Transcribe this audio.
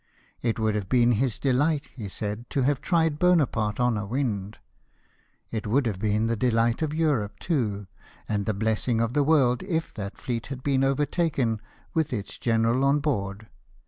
It would have been his delight, he said, to have tried Bonaparte on a wind. It would have been the delight of Europe too, and the blessing of the world, if that fleet had been overtaken with its general on board.